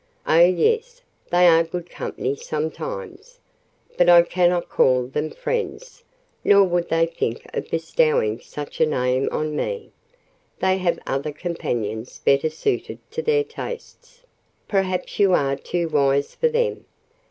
"Oh, yes, they are good company sometimes; but I cannot call them friends, nor would they think of bestowing such a name on me—they have other companions better suited to their tastes." "Perhaps you are too wise for them.